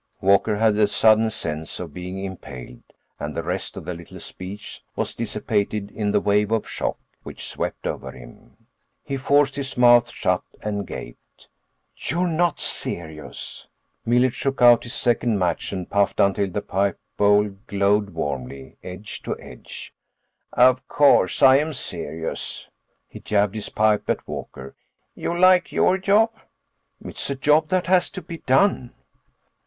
Walker had a sudden sense of being impaled, and the rest of the little speech was dissipated in the wave of shock which swept over him. He forced his mouth shut, and gasped, "You're not serious!" Millet shook out his second match and puffed until the pipe bowl glowed warmly, edge to edge. "Of course I'm serious." He jabbed his pipe at Walker. "You like your job?" "It's a job that has to be done."